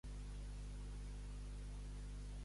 Quina restricció imposaven els tractats nuclears amb l'Iran?